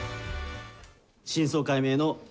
真相解明の。